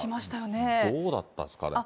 どうだったんですか、あれ。